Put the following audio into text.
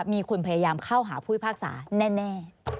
มีคนพยายามเข้าหาผู้พิพากษาแน่